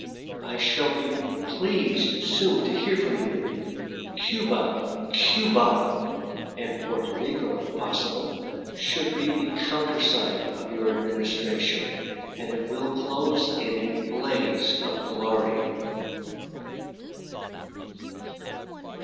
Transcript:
I shall be pleased soon to hear from you. Cuba! Cuba! (and Porto Rico, if possible) should be the countersign of your Administration, and it will close in a blaze of glory."